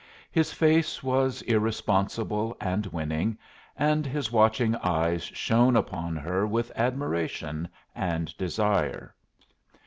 His face was irresponsible and winning, and his watching eyes shone upon her with admiration and desire.